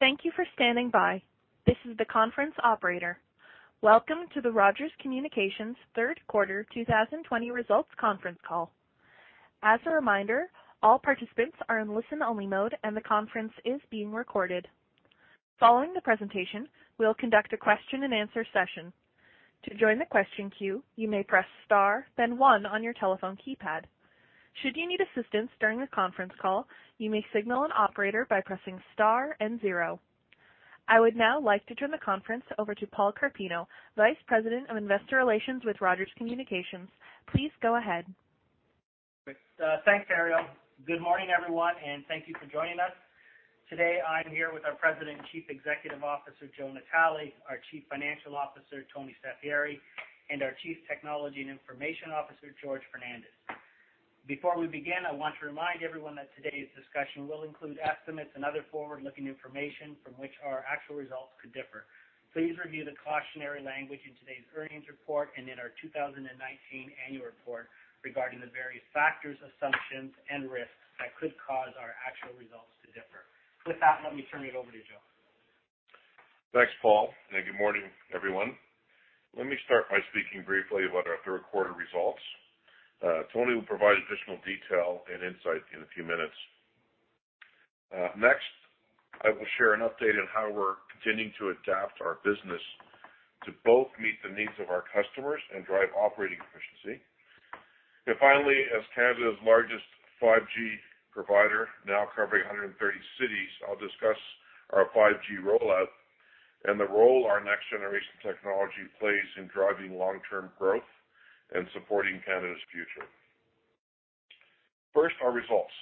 Thank you for standing by. This is the conference operator. Welcome to the Rogers Communications third quarter 2020 results conference call. As a reminder, all participants are in listen-only mode, and the conference is being recorded. Following the presentation, we'll conduct a question-and-answer session. To join the question queue, you may press star, then one on your telephone keypad. Should you need assistance during the conference call, you may signal an operator by pressing star and zero. I would now like to turn the conference over to Paul Carpino, Vice President of Investor Relations with Rogers Communications. Please go ahead. Thanks, Ariel. Good morning, everyone, and thank you for joining us. Today, I'm here with our President and Chief Executive Officer, Joe Natale, our Chief Financial Officer, Tony Staffieri, and our Chief Technology and Information Officer, Jorge Fernandes. Before we begin, I want to remind everyone that today's discussion will include estimates and other forward-looking information from which our actual results could differ. Please review the cautionary language in today's earnings report and in our 2019 annual report regarding the various factors, assumptions, and risks that could cause our actual results to differ. With that, let me turn it over to Joe. Thanks, Paul, and good morning, everyone. Let me start by speaking briefly about our third quarter results. Tony will provide additional detail and insight in a few minutes. Next, I will share an update on how we're continuing to adapt our business to both meet the needs of our customers and drive operating efficiency. And finally, as Canada's largest 5G provider, now covering 130 cities, I'll discuss our 5G rollout and the role our next-generation technology plays in driving long-term growth and supporting Canada's future. First, our results.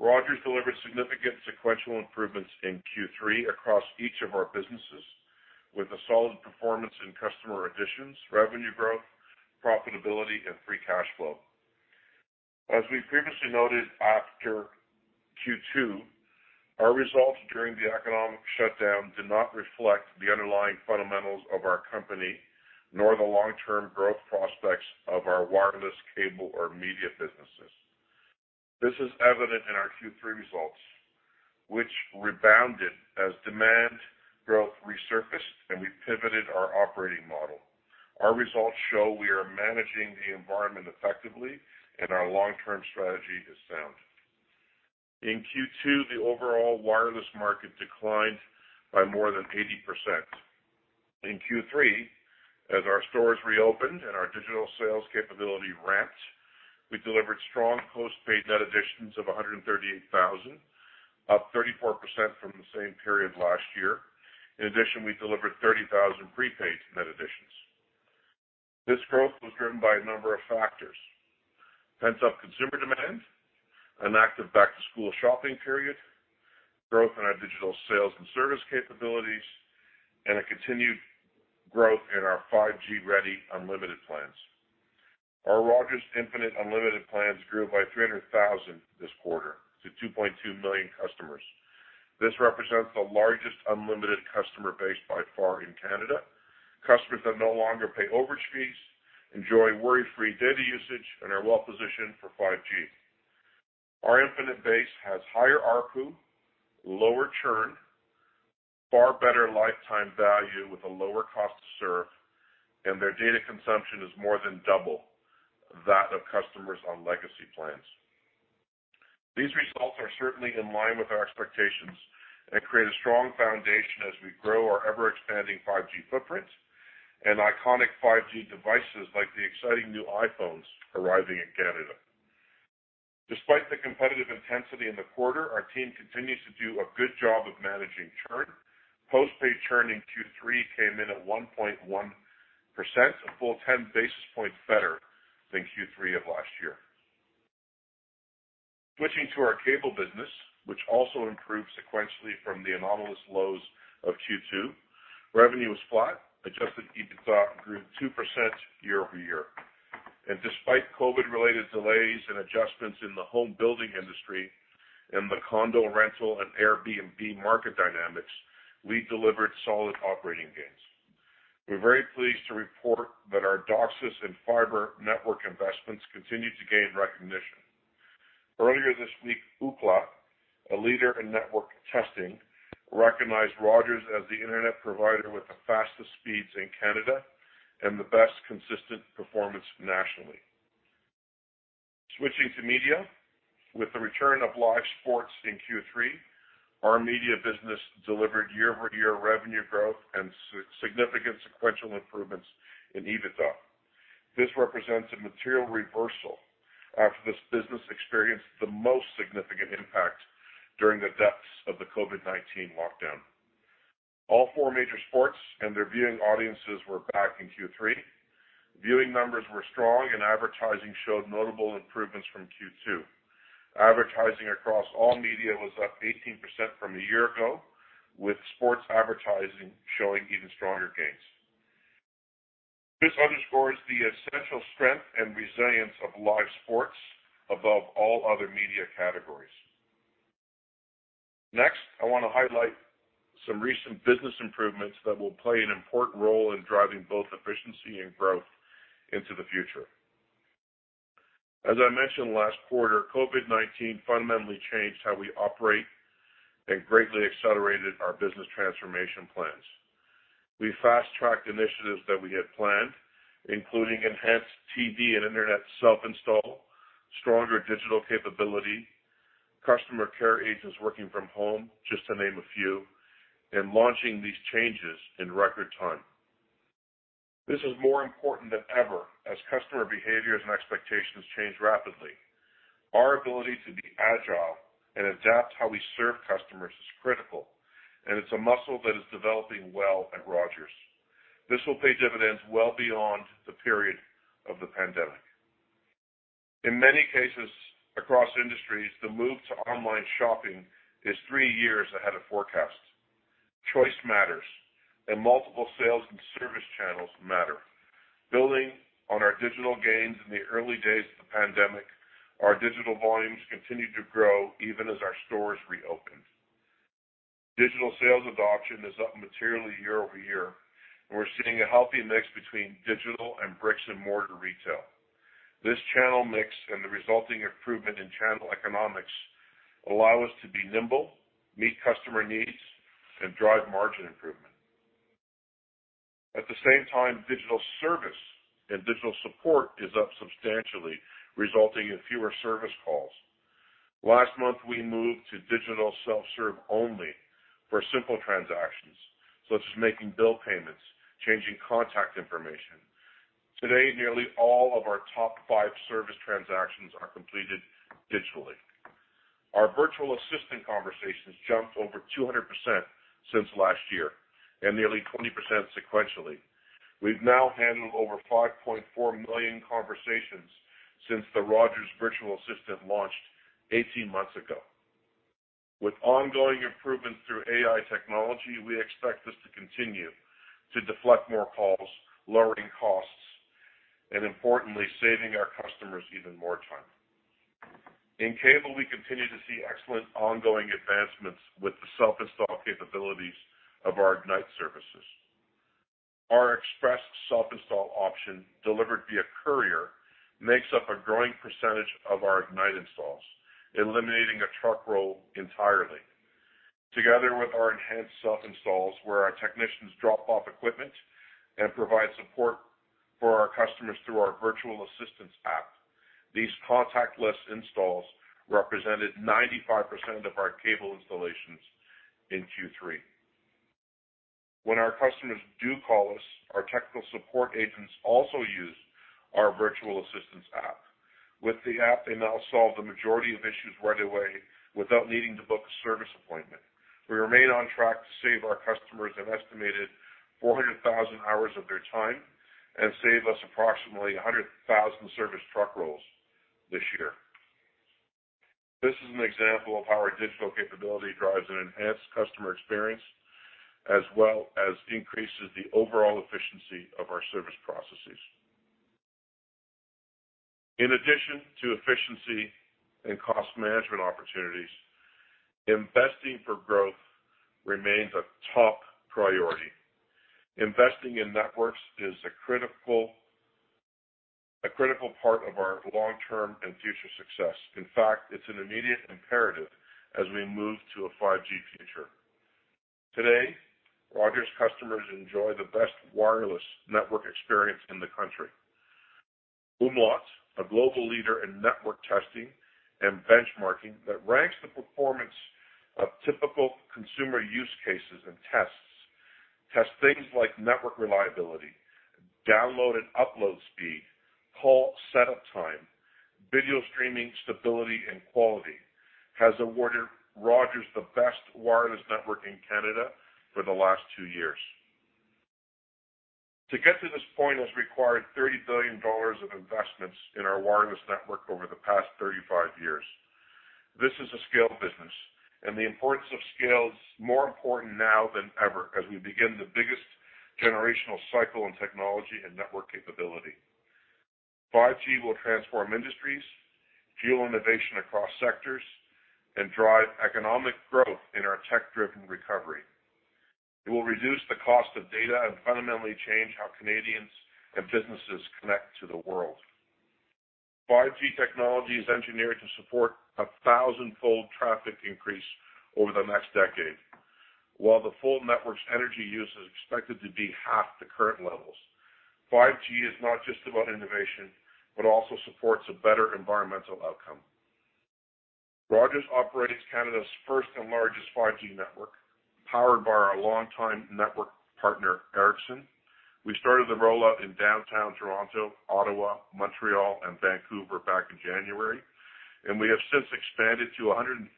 Rogers delivered significant sequential improvements in Q3 across each of our businesses, with solid performance in customer additions, revenue growth, profitability, and free cash flow. As we previously noted after Q2, our results during the economic shutdown did not reflect the underlying fundamentals of our company nor the long-term growth prospects of our wireless, cable, or media businesses. This is evident in our Q3 results, which rebounded as demand growth resurfaced, and we pivoted our operating model. Our results show we are managing the environment effectively, and our long-term strategy is sound. In Q2, the overall wireless market declined by more than 80%. In Q3, as our stores reopened and our digital sales capability ramped, we delivered strong postpaid net additions of 138,000, up 34% from the same period last year. In addition, we delivered 30,000 prepaid net additions. This growth was driven by a number of factors: pent-up consumer demand, an active back-to-school shopping period, growth in our digital sales and service capabilities, and a continued growth in our 5G-ready unlimited plans. Our Rogers Infinite unlimited plans grew by 300,000 this quarter to 2.2 million customers. This represents the largest unlimited customer base by far in Canada, customers that no longer pay overage fees, enjoy worry-free data usage, and are well-positioned for 5G. Our Infinite base has higher ARPU, lower churn, far better lifetime value with a lower cost to serve, and their data consumption is more than double that of customers on legacy plans. These results are certainly in line with our expectations and create a strong foundation as we grow our ever-expanding 5G footprint and iconic 5G devices like the exciting new iPhones arriving in Canada. Despite the competitive intensity in the quarter, our team continues to do a good job of managing churn. Postpaid churn in Q3 came in at 1.1%, a full 10 basis points better than Q3 of last year. Switching to our cable business, which also improved sequentially from the anomalous lows of Q2, revenue was flat, adjusted EBITDA grew 2% year-over-year, and despite COVID-related delays and adjustments in the home building industry and the condo rental and Airbnb market dynamics, we delivered solid operating gains. We're very pleased to report that our DOCSIS and fiber network investments continue to gain recognition. Earlier this week, Ookla, a leader in network testing, recognized Rogers as the internet provider with the fastest speeds in Canada and the best consistent performance nationally. Switching to media, with the return of live sports in Q3, our media business delivered year-over-year revenue growth and significant sequential improvements in EBITDA. This represents a material reversal after this business experienced the most significant impact during the depths of the COVID-19 lockdown. All four major sports and their viewing audiences were back in Q3. Viewing numbers were strong, and advertising showed notable improvements from Q2. Advertising across all media was up 18% from a year ago, with sports advertising showing even stronger gains. This underscores the essential strength and resilience of live sports above all other media categories. Next, I want to highlight some recent business improvements that will play an important role in driving both efficiency and growth into the future. As I mentioned last quarter, COVID-19 fundamentally changed how we operate and greatly accelerated our business transformation plans. We fast-tracked initiatives that we had planned, including enhanced TV and internet self-install, stronger digital capability, customer care agents working from home, just to name a few, and launching these changes in record time. This is more important than ever as customer behaviors and expectations change rapidly. Our ability to be agile and adapt how we serve customers is critical, and it's a muscle that is developing well at Rogers. This will pay dividends well beyond the period of the pandemic. In many cases across industries, the move to online shopping is three years ahead of forecast. Choice matters, and multiple sales and service channels matter. Building on our digital gains in the early days of the pandemic, our digital volumes continued to grow even as our stores reopened. Digital sales adoption is up materially year-over-year, and we're seeing a healthy mix between digital and bricks-and-mortar retail. This channel mix and the resulting improvement in channel economics allow us to be nimble, meet customer needs, and drive margin improvement. At the same time, digital service and digital support is up substantially, resulting in fewer service calls. Last month, we moved to digital self-serve only for simple transactions, such as making bill payments, changing contact information. Today, nearly all of our top five service transactions are completed digitally. Our virtual assistant conversations jumped over 200% since last year and nearly 20% sequentially. We've now handled over 5.4 million conversations since the Rogers Virtual Assistant launched 18 months ago. With ongoing improvements through AI technology, we expect this to continue to deflect more calls, lowering costs, and importantly, saving our customers even more time. In cable, we continue to see excellent ongoing advancements with the self-install capabilities of our Ignite services. Our express self-install option, delivered via courier, makes up a growing percentage of our Ignite installs, eliminating a truck roll entirely. Together with our enhanced self-installs, where our technicians drop off equipment and provide support for our customers through our Virtual Assistance app, these contactless installs represented 95% of our cable installations in Q3. When our customers do call us, our technical support agents also use our Virtual Assistance app. With the app, they now solve the majority of issues right away without needing to book a service appointment. We remain on track to save our customers an estimated 400,000 hours of their time and save us approximately 100,000 service truck rolls this year. This is an example of how our digital capability drives an enhanced customer experience, as well as increases the overall efficiency of our service processes. In addition to efficiency and cost management opportunities, investing for growth remains a top priority. Investing in networks is a critical part of our long-term and future success. In fact, it's an immediate imperative as we move to a 5G future. Today, Rogers customers enjoy the best wireless network experience in the country. umlaut, a global leader in network testing and benchmarking that ranks the performance of typical consumer use cases and tests things like network reliability, download and upload speed, call setup time, video streaming stability and quality, has awarded Rogers the best wireless network in Canada for the last two years. To get to this point has required 30 billion dollars of investments in our wireless network over the past 35 years. This is a scale business, and the importance of scale is more important now than ever as we begin the biggest generational cycle in technology and network capability. 5G will transform industries, fuel innovation across sectors, and drive economic growth in our tech-driven recovery. It will reduce the cost of data and fundamentally change how Canadians and businesses connect to the world. 5G technology is engineered to support a thousand-fold traffic increase over the next decade. While the full network's energy use is expected to be half the current levels, 5G is not just about innovation, but also supports a better environmental outcome. Rogers operates Canada's first and largest 5G network, powered by our longtime network partner, Ericsson. We started the rollout in downtown Toronto, Ottawa, Montreal, and Vancouver back in January, and we have since expanded to 130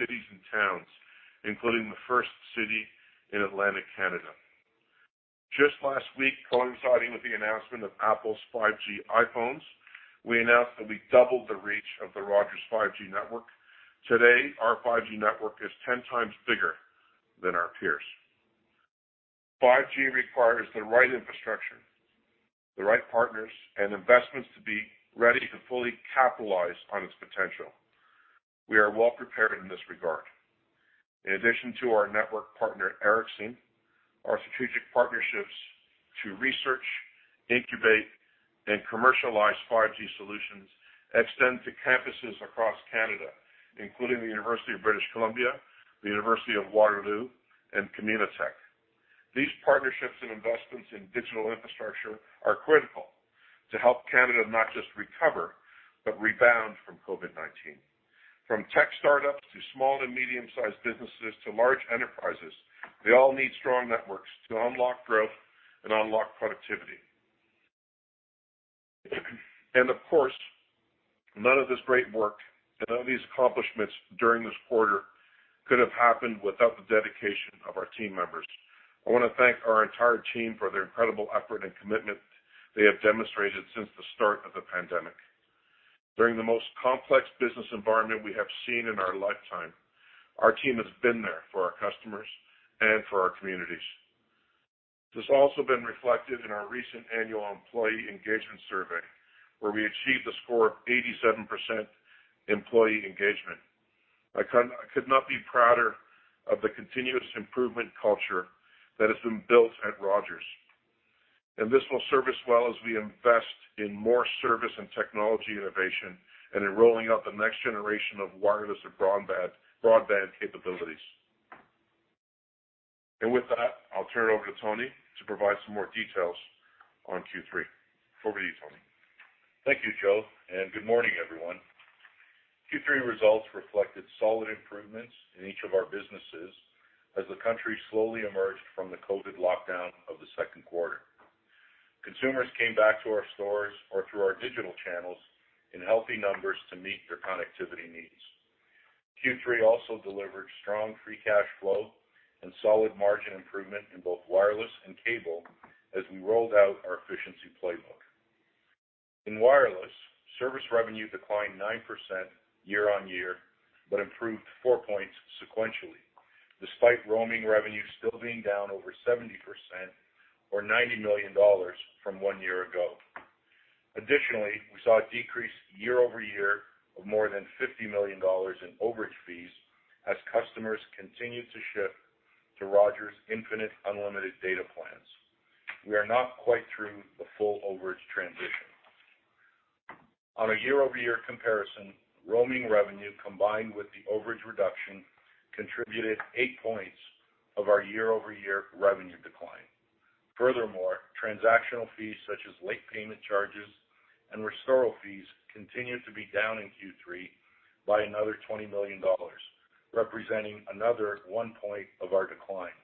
cities and towns, including the first city in Atlantic Canada. Just last week, coinciding with the announcement of Apple's 5G iPhones, we announced that we doubled the reach of the Rogers 5G network. Today, our 5G network is 10 times bigger than our peers. 5G requires the right infrastructure, the right partners, and investments to be ready to fully capitalize on its potential. We are well-prepared in this regard. In addition to our network partner, Ericsson, our strategic partnerships to research, incubate, and commercialize 5G solutions extend to campuses across Canada, including the University of British Columbia, the University of Waterloo, and Communitech. These partnerships and investments in digital infrastructure are critical to help Canada not just recover, but rebound from COVID-19. From tech startups to small and medium-sized businesses to large enterprises, they all need strong networks to unlock growth and unlock productivity. And of course, none of this great work and all these accomplishments during this quarter could have happened without the dedication of our team members. I want to thank our entire team for their incredible effort and commitment they have demonstrated since the start of the pandemic. During the most complex business environment we have seen in our lifetime, our team has been there for our customers and for our communities. This has also been reflected in our recent annual employee engagement survey, where we achieved a score of 87% employee engagement. I could not be prouder of the continuous improvement culture that has been built at Rogers. And this will serve us well as we invest in more service and technology innovation and in rolling out the next generation of wireless and broadband capabilities. And with that, I'll turn it over to Tony to provide some more details on Q3. Over to you, Tony. Thank you, Joe, and good morning, everyone. Q3 results reflected solid improvements in each of our businesses as the country slowly emerged from the COVID lockdown of the second quarter. Consumers came back to our stores or through our digital channels in healthy numbers to meet their connectivity needs. Q3 also delivered strong free cash flow and solid margin improvement in both wireless and cable as we rolled out our efficiency playbook. In wireless, service revenue declined 9% year-on-year, but improved 4 points sequentially, despite roaming revenue still being down over 70% or 90 million dollars from one year ago. Additionally, we saw a decrease year-over-year of more than 50 million dollars in overage fees as customers continued to shift to Rogers Infinite unlimited data plans. We are not quite through the full overage transition. On a year-over-year comparison, roaming revenue combined with the overage reduction contributed 8 points of our year-over-year revenue decline. Furthermore, transactional fees such as late payment charges and restoral fees continued to be down in Q3 by another 20 million dollars, representing another 1 point of our decline.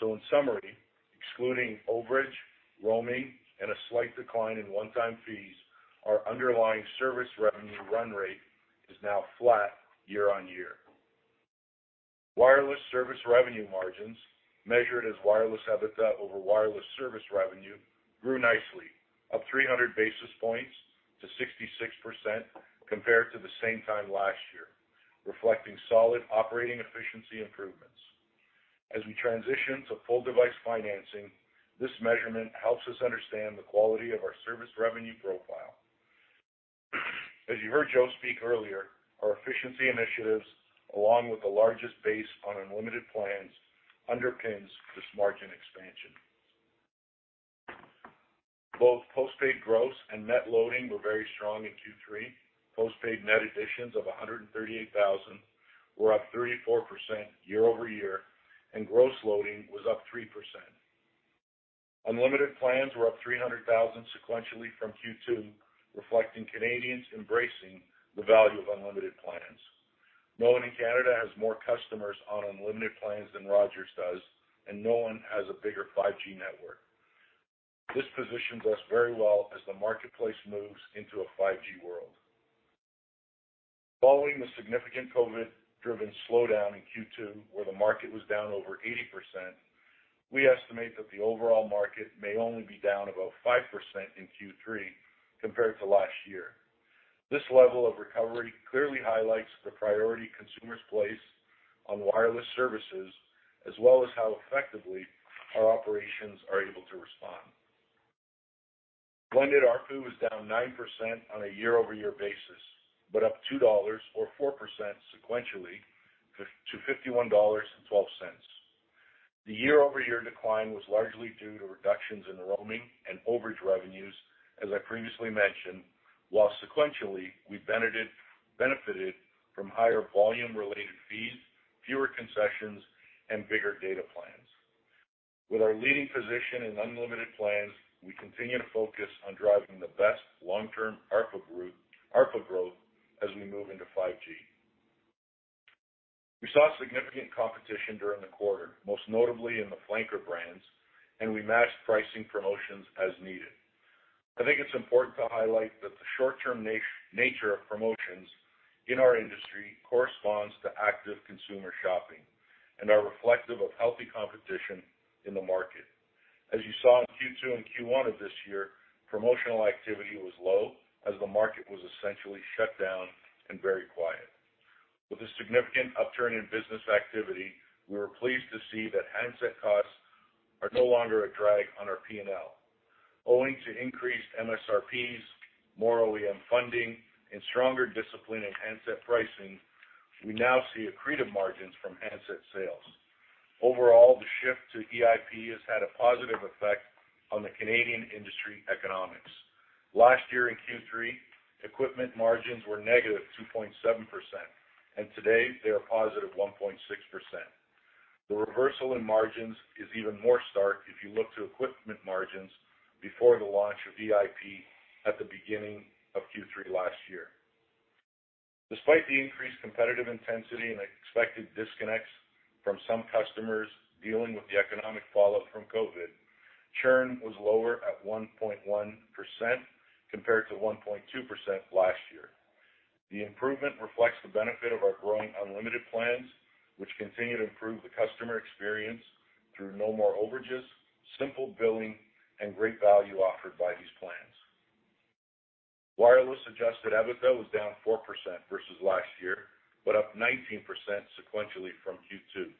So in summary, excluding overage, roaming, and a slight decline in one-time fees, our underlying service revenue run rate is now flat year-on-year. Wireless service revenue margins, measured as wireless EBITDA over wireless service revenue, grew nicely, up 300 basis points to 66% compared to the same time last year, reflecting solid operating efficiency improvements. As we transition to full-device financing, this measurement helps us understand the quality of our service revenue profile. As you heard Joe speak earlier, our efficiency initiatives, along with the largest base on unlimited plans, underpins this margin expansion. Both postpaid gross and net additions were very strong in Q3. Postpaid net additions of 138,000 were up 34% year-over-year, and gross loading was up 3%. Unlimited plans were up 300,000 sequentially from Q2, reflecting Canadians embracing the value of unlimited plans. No one in Canada has more customers on unlimited plans than Rogers does, and no one has a bigger 5G network. This positions us very well as the marketplace moves into a 5G world. Following the significant COVID-driven slowdown in Q2, where the market was down over 80%, we estimate that the overall market may only be down about 5% in Q3 compared to last year. This level of recovery clearly highlights the priority consumers place on wireless services, as well as how effectively our operations are able to respond. Blended ARPU was down 9% on a year-over-year basis, but up 2 dollars or 4% sequentially to 51.12 dollars. The year-over-year decline was largely due to reductions in roaming and overage revenues, as I previously mentioned, while sequentially we benefited from higher volume-related fees, fewer concessions, and bigger data plans. With our leading position in unlimited plans, we continue to focus on driving the best long-term ARPU growth as we move into 5G. We saw significant competition during the quarter, most notably in the flanker brands, and we matched pricing promotions as needed. I think it's important to highlight that the short-term nature of promotions in our industry corresponds to active consumer shopping and are reflective of healthy competition in the market. As you saw in Q2 and Q1 of this year, promotional activity was low as the market was essentially shut down and very quiet. With a significant upturn in business activity, we were pleased to see that handset costs are no longer a drag on our P&L. Owing to increased MSRPs, more OEM funding, and stronger discipline in handset pricing, we now see accretive margins from handset sales. Overall, the shift to EIP has had a positive effect on the Canadian industry economics. Last year in Q3, equipment margins were negative 2.7%, and today they are positive 1.6%. The reversal in margins is even more stark if you look to equipment margins before the launch of EIP at the beginning of Q3 last year. Despite the increased competitive intensity and expected disconnects from some customers dealing with the economic fallout from COVID, churn was lower at 1.1% compared to 1.2% last year. The improvement reflects the benefit of our growing unlimited plans, which continue to improve the customer experience through no more overages, simple billing, and great value offered by these plans. Wireless adjusted EBITDA was down 4% versus last year, but up 19% sequentially from Q2.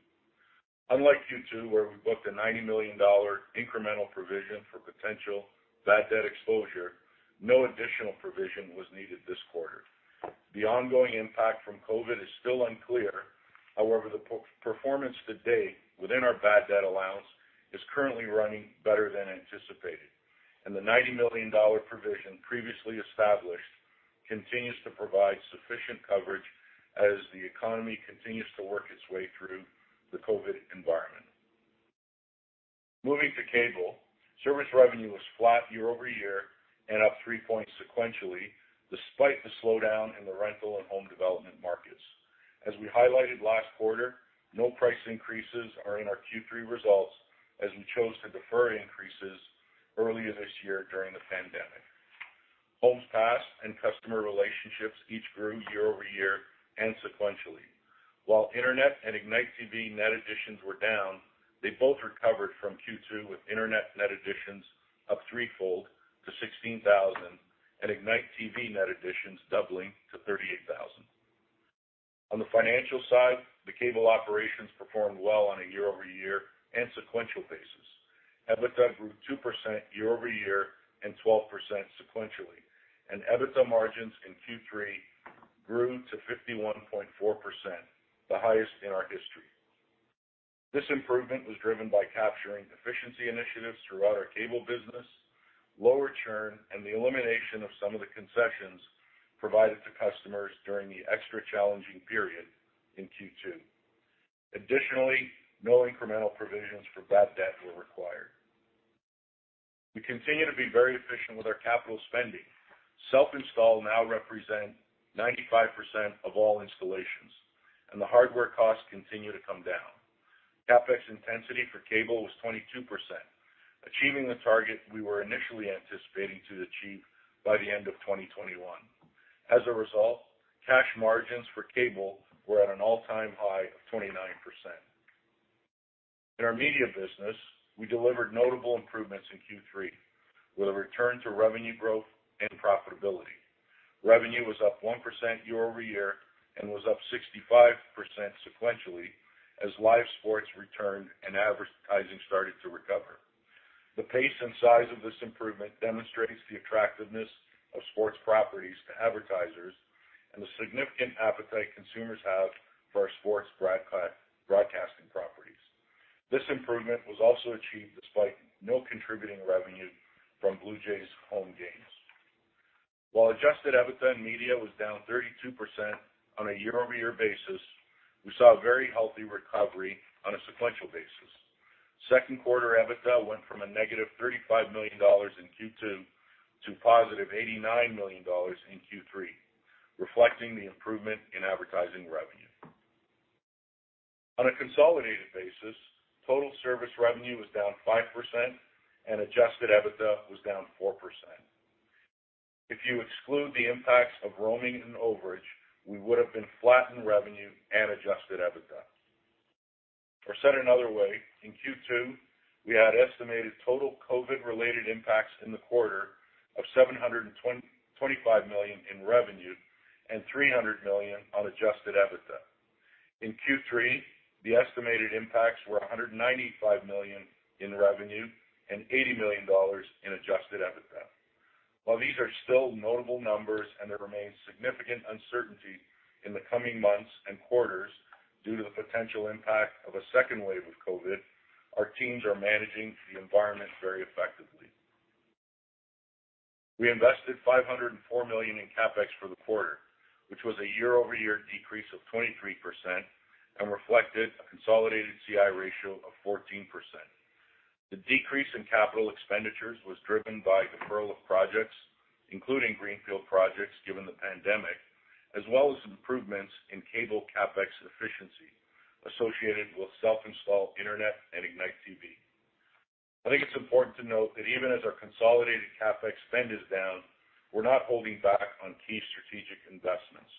Unlike Q2, where we booked a 90 million dollar incremental provision for potential bad debt exposure, no additional provision was needed this quarter. The ongoing impact from COVID is still unclear, however, the performance to date within our bad debt allowance is currently running better than anticipated, and the 90 million dollar provision previously established continues to provide sufficient coverage as the economy continues to work its way through the COVID environment. Moving to cable, service revenue was flat year-over-year and up three points sequentially, despite the slowdown in the rental and home development markets. As we highlighted last quarter, no price increases are in our Q3 results as we chose to defer increases earlier this year during the pandemic. Our postpaid and customer relationships each grew year-over-year and sequentially. While Internet and Ignite TV net additions were down, they both recovered from Q2 with Internet net additions up threefold to 16,000 and Ignite TV net additions doubling to 38,000. On the financial side, the cable operations performed well on a year-over-year and sequential basis. EBITDA grew 2% year-over-year and 12% sequentially, and EBITDA margins in Q3 grew to 51.4%, the highest in our history. This improvement was driven by capturing efficiency initiatives throughout our cable business, lower churn, and the elimination of some of the concessions provided to customers during the extra challenging period in Q2. Additionally, no incremental provisions for bad debt were required. We continue to be very efficient with our capital spending. Self-install now represents 95% of all installations, and the hardware costs continue to come down. CapEx intensity for cable was 22%, achieving the target we were initially anticipating to achieve by the end of 2021. As a result, cash margins for cable were at an all-time high of 29%. In our media business, we delivered notable improvements in Q3 with a return to revenue growth and profitability. Revenue was up 1% year-over-year and was up 65% sequentially as live sports returned and advertising started to recover. The pace and size of this improvement demonstrates the attractiveness of sports properties to advertisers and the significant appetite consumers have for our sports broadcasting properties. This improvement was also achieved despite no contributing revenue from Blue Jays' home games. While adjusted EBITDA in media was down 32% on a year-over-year basis, we saw a very healthy recovery on a sequential basis. Second quarter EBITDA went from a negative 35 million dollars in Q2 to positive 89 million dollars in Q3, reflecting the improvement in advertising revenue. On a consolidated basis, total service revenue was down 5%, and adjusted EBITDA was down 4%. If you exclude the impacts of roaming and overage, we would have been flat in revenue and adjusted EBITDA. Or said another way, in Q2, we had estimated total COVID-related impacts in the quarter of 725 million in revenue and 300 million on adjusted EBITDA. In Q3, the estimated impacts were 195 million in revenue and 80 million dollars in adjusted EBITDA. While these are still notable numbers and there remains significant uncertainty in the coming months and quarters due to the potential impact of a second wave of COVID, our teams are managing the environment very effectively. We invested 504 million in CapEx for the quarter, which was a year-over-year decrease of 23% and reflected a consolidated CI ratio of 14%. The decrease in capital expenditures was driven by deferral of projects, including greenfield projects given the pandemic, as well as improvements in cable CapEx efficiency associated with self-install Internet and Ignite TV. I think it's important to note that even as our consolidated CapEx spend is down, we're not holding back on key strategic investments.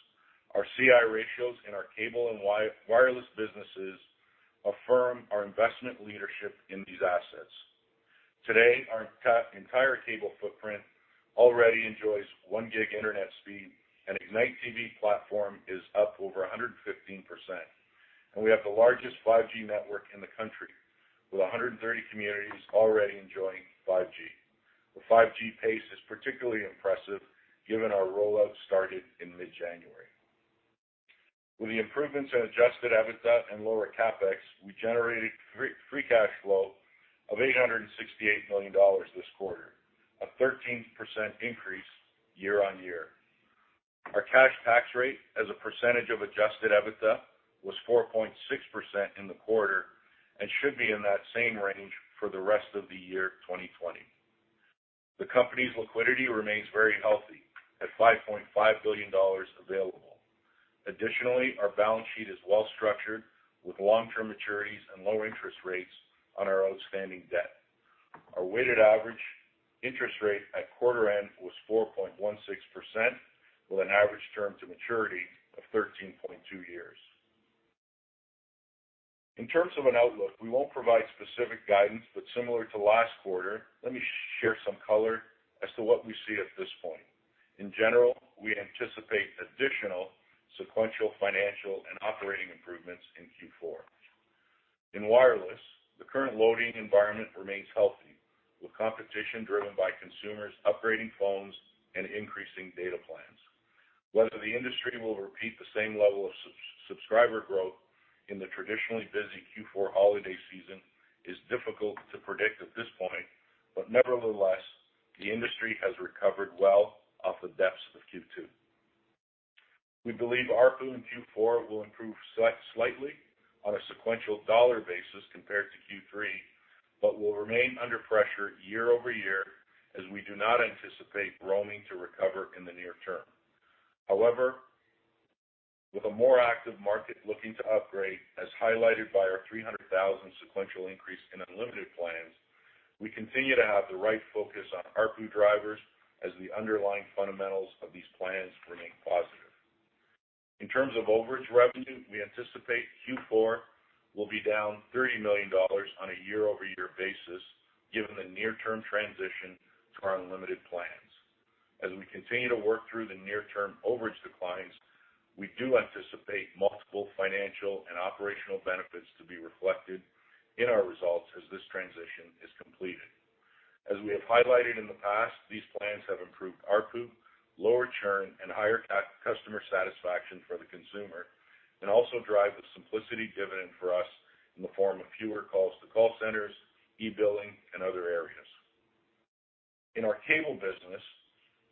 Our CI ratios in our cable and wireless businesses affirm our investment leadership in these assets. Today, our entire cable footprint already enjoys 1 gig internet speed, and Ignite TV platform is up over 115%. And we have the largest 5G network in the country, with 130 communities already enjoying 5G. The 5G pace is particularly impressive given our rollout started in mid-January. With the improvements in Adjusted EBITDA and lower CapEx, we generated free cash flow of 868 million dollars this quarter, a 13% increase year-on-year. Our cash tax rate as a percentage of Adjusted EBITDA was 4.6% in the quarter and should be in that same range for the rest of the year 2020. The company's liquidity remains very healthy at 5.5 billion dollars available. Additionally, our balance sheet is well-structured with long-term maturities and low interest rates on our outstanding debt. Our weighted average interest rate at quarter-end was 4.16%, with an average term to maturity of 13.2 years. In terms of an outlook, we won't provide specific guidance, but similar to last quarter, let me share some color as to what we see at this point. In general, we anticipate additional sequential financial and operating improvements in Q4. In wireless, the current loading environment remains healthy, with competition driven by consumers upgrading phones and increasing data plans. Whether the industry will repeat the same level of subscriber growth in the traditionally busy Q4 holiday season is difficult to predict at this point, but nevertheless, the industry has recovered well off the depths of Q2. We believe ARPU in Q4 will improve slightly on a sequential dollar basis compared to Q3, but will remain under pressure year-over-year as we do not anticipate roaming to recover in the near term. However, with a more active market looking to upgrade, as highlighted by our 300,000 sequential increase in unlimited plans, we continue to have the right focus on ARPU drivers as the underlying fundamentals of these plans remain positive. In terms of overage revenue, we anticipate Q4 will be down 30 million dollars on a year-over-year basis given the near-term transition to our unlimited plans. As we continue to work through the near-term overage declines, we do anticipate multiple financial and operational benefits to be reflected in our results as this transition is completed. As we have highlighted in the past, these plans have improved ARPU, lower churn, and higher customer satisfaction for the consumer, and also drive the simplicity dividend for us in the form of fewer calls to call centers, e-billing, and other areas. In our cable business,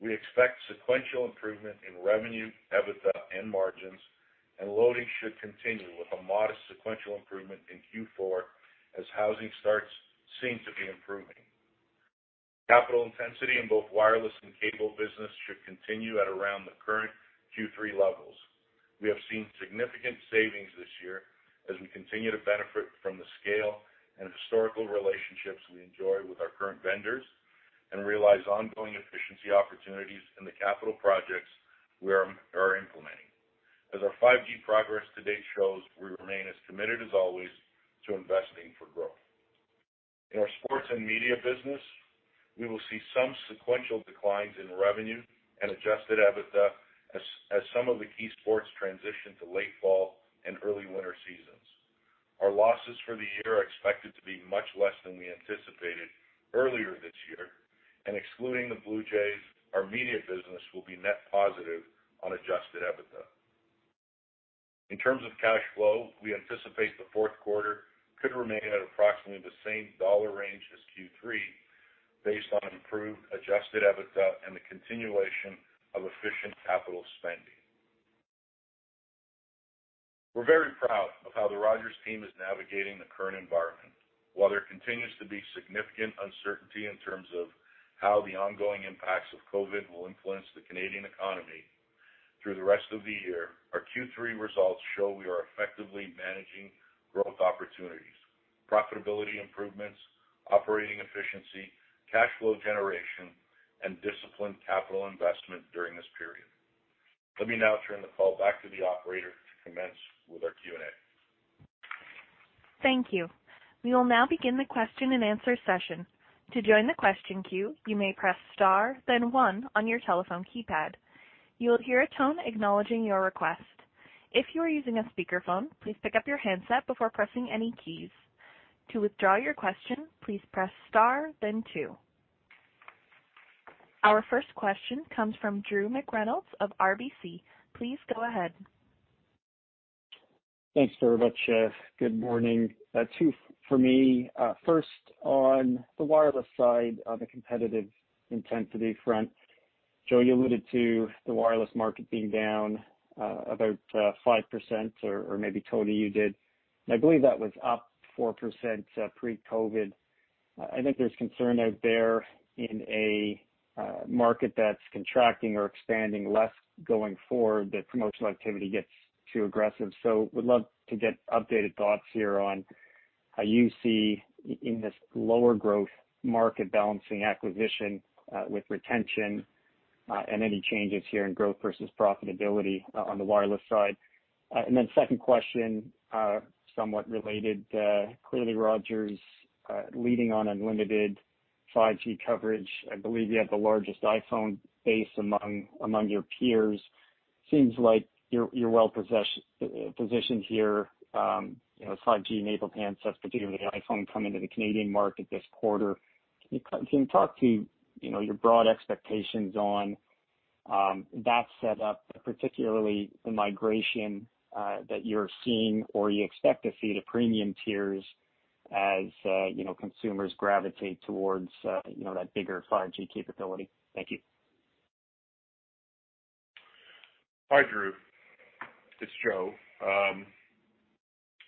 we expect sequential improvement in revenue, EBITDA, and margins, and loading should continue with a modest sequential improvement in Q4 as housing starts seem to be improving. Capital intensity in both wireless and cable business should continue at around the current Q3 levels. We have seen significant savings this year as we continue to benefit from the scale and historical relationships we enjoy with our current vendors and realize ongoing efficiency opportunities in the capital projects we are implementing. As our 5G progress to date shows, we remain as committed as always to investing for growth. In our sports and media business, we will see some sequential declines in revenue and adjusted EBITDA as some of the key sports transition to late fall and early winter seasons. Our losses for the year are expected to be much less than we anticipated earlier this year, and excluding the Blue Jays, our media business will be net positive on adjusted EBITDA. In terms of cash flow, we anticipate the fourth quarter could remain at approximately the same dollar range as Q3 based on improved adjusted EBITDA and the continuation of efficient capital spending. We're very proud of how the Rogers team is navigating the current environment. While there continues to be significant uncertainty in terms of how the ongoing impacts of COVID will influence the Canadian economy through the rest of the year, our Q3 results show we are effectively managing growth opportunities, profitability improvements, operating efficiency, cash flow generation, and disciplined capital investment during this period. Let me now turn the call back to the operator to commence with our Q&A. Thank you. We will now begin the question and answer session. To join the question queue, you may press star, then one on your telephone keypad. You will hear a tone acknowledging your request. If you are using a speakerphone, please pick up your handset before pressing any keys. To withdraw your question, please press star, then two. Our first question comes from Drew McReynolds of RBC. Please go ahead. Thanks very much. Good morning. For me, first on the wireless side on the competitive intensity front, Joe alluded to the wireless market being down about 5% or maybe total, you did. I believe that was up 4% pre-COVID. I think there's concern out there in a market that's contracting or expanding less going forward that promotional activity gets too aggressive. So would love to get updated thoughts here on how you see in this lower growth market balancing acquisition with retention and any changes here in growth versus profitability on the wireless side. And then second question, somewhat related, clearly Rogers leading on unlimited 5G coverage. I believe you have the largest iPhone base among your peers. Seems like you're well positioned here. 5G enabled handsets, particularly the iPhone, come into the Canadian market this quarter. Can you talk to your broad expectations on that setup, particularly the migration that you're seeing or you expect to see to premium tiers as consumers gravitate towards that bigger 5G capability? Thank you. Hi, Drew. It's Joe.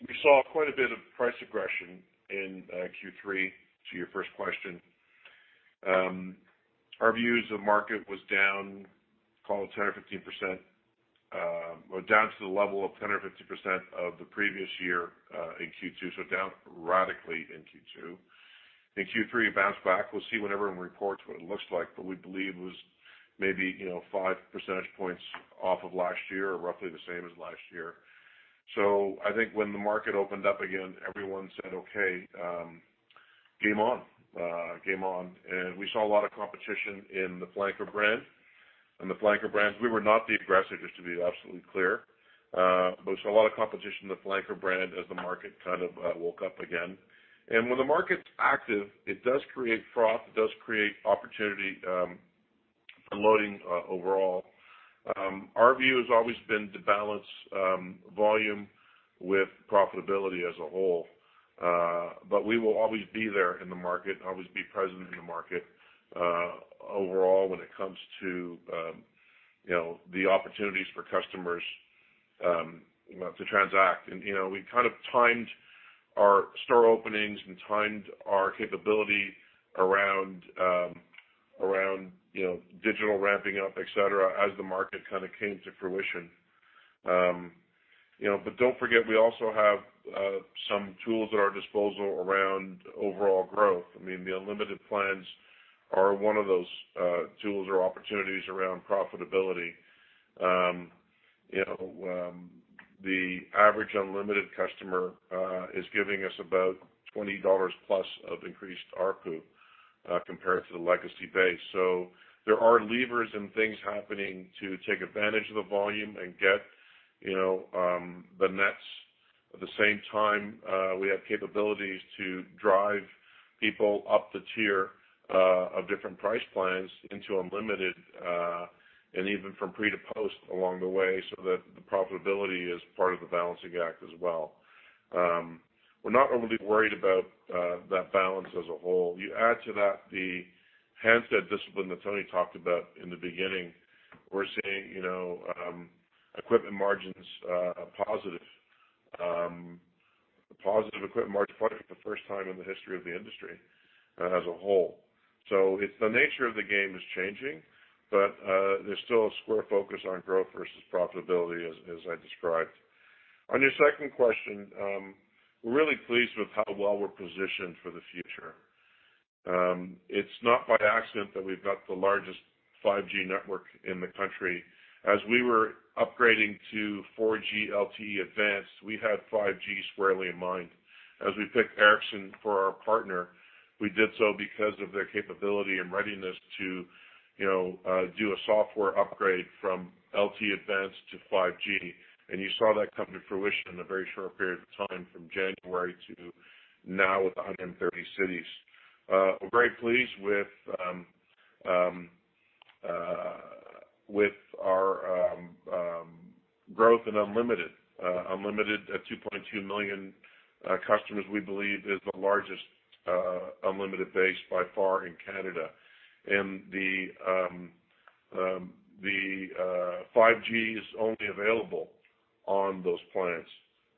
We saw quite a bit of price aggression in Q3 to your first question. Our view is the market was down, call it 10% or 15%, down to the level of 10% or 15% of the previous year in Q2, so down radically in Q2. In Q3, it bounced back. We'll see when everyone reports what it looks like, but we believe it was maybe 5 percentage points off of last year or roughly the same as last year. So I think when the market opened up again, everyone said, "Okay, game on." And we saw a lot of competition in the flanker brand. On the flanker brand, we were not the aggressor, just to be absolutely clear. But we saw a lot of competition in the flanker brand as the market kind of woke up again. And when the market's active, it does create froth. It does create opportunity for loading overall. Our view has always been to balance volume with profitability as a whole. But we will always be there in the market, always be present in the market overall when it comes to the opportunities for customers to transact. And we kind of timed our store openings and timed our capability around digital ramping up, etc., as the market kind of came to fruition. But don't forget, we also have some tools at our disposal around overall growth. I mean, the unlimited plans are one of those tools or opportunities around profitability. The average unlimited customer is giving us about 20+ dollars of increased ARPU compared to the legacy base. So there are levers and things happening to take advantage of the volume and get the nets. At the same time, we have capabilities to drive people up the tier of different price plans into unlimited and even from pre to post along the way so that the profitability is part of the balancing act as well. We're not overly worried about that balance as a whole. You add to that the handset discipline that Tony talked about in the beginning. We're seeing equipment margins positive. Positive equipment margins probably for the first time in the history of the industry as a whole. So the nature of the game is changing, but there's still a sharp focus on growth versus profitability, as I described. On your second question, we're really pleased with how well we're positioned for the future. It's not by accident that we've got the largest 5G network in the country. As we were upgrading to 4G LTE Advanced, we had 5G squarely in mind. As we picked Ericsson for our partner, we did so because of their capability and readiness to do a software upgrade from LTE Advanced to 5G. And you saw that come to fruition in a very short period of time from January to now with 130 cities. We're very pleased with our growth in unlimited. Unlimited at 2.2 million customers, we believe, is the largest unlimited base by far in Canada. And the 5G is only available on those plans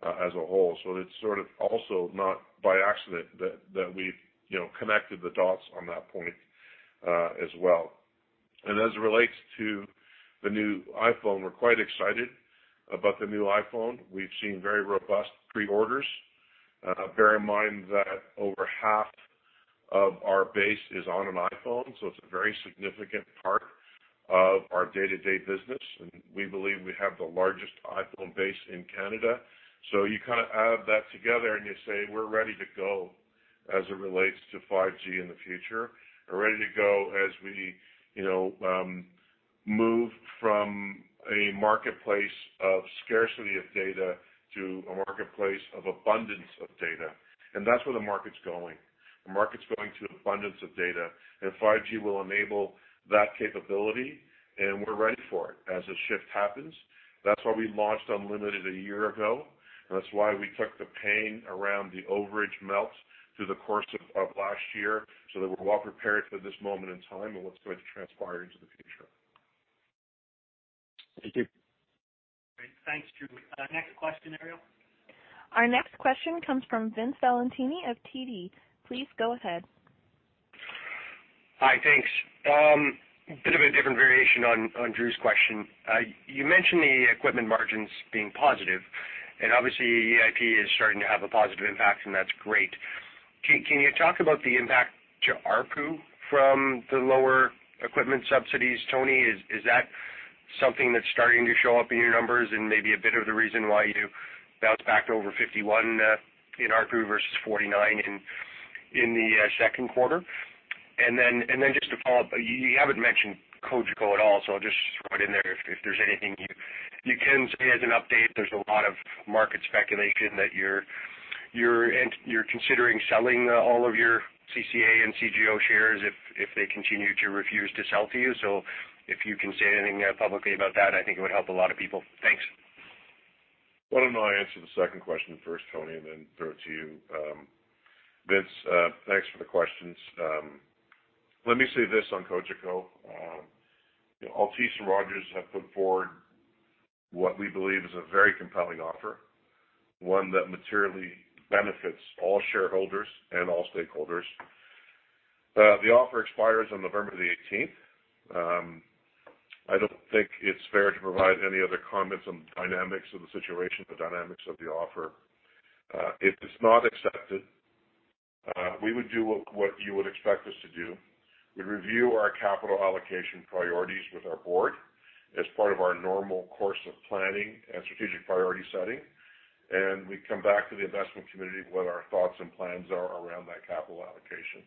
as a whole. So it's sort of also not by accident that we've connected the dots on that point as well. And as it relates to the new iPhone, we're quite excited about the new iPhone. We've seen very robust pre-orders. Bear in mind that over half of our base is on an iPhone, so it's a very significant part of our day-to-day business. And we believe we have the largest iPhone base in Canada. So you kind of add that together and you say, "We're ready to go as it relates to 5G in the future. We're ready to go as we move from a marketplace of scarcity of data to a marketplace of abundance of data." And that's where the market's going. The market's going to abundance of data. And 5G will enable that capability, and we're ready for it as the shift happens. That's why we launched unlimited a year ago, and that's why we took the pain around the overage melt through the course of last year so that we're well prepared for this moment in time and what's going to transpire into the future. Thank you. Thanks, Drew. Next question, Ariel? Our next question comes from Vince Valentini of TD. Please go ahead. Hi, thanks. A bit of a different variation on Drew's question. You mentioned the equipment margins being positive, and obviously EIP is starting to have a positive impact, and that's great. Can you talk about the impact to ARPU from the lower equipment subsidies, Tony? Is that something that's starting to show up in your numbers and maybe a bit of the reason why you bounced back to over 51 in ARPU versus 49 in the second quarter? And then just to follow up, you haven't mentioned Cogeco at all, so I'll just throw it in there if there's anything you can say as an update. There's a lot of market speculation that you're considering selling all of your CCA and CGO shares if they continue to refuse to sell to you. So if you can say anything publicly about that, I think it would help a lot of people. Thanks. Why don't I answer the second question first, Tony, and then throw it to you. Vince, thanks for the questions. Let me say this on Cogeco. Altice and Rogers have put forward what we believe is a very compelling offer, one that materially benefits all shareholders and all stakeholders. The offer expires on November the 18th. I don't think it's fair to provide any other comments on the dynamics of the situation, the dynamics of the offer. If it's not accepted, we would do what you would expect us to do. We'd review our capital allocation priorities with our board as part of our normal course of planning and strategic priority setting, and we'd come back to the investment community with our thoughts and plans around that capital allocation.